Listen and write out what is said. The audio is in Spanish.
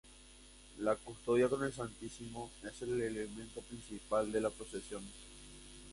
La Custodia con el Santísimo es el elemento principal de la Procesión.